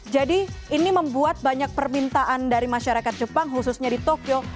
jadi ini membuat banyak permintaan dari masyarakat jepang khususnya di tokyo